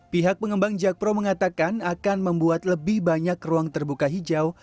pihak pengembang jakpro mengatakan akan membuat lebih banyak ruang terbuka hijau